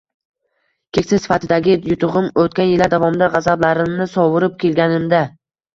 Keksa sifatidagi yutug’im o’tgan yillar davomida g’azablarimni sovurib kelganimda.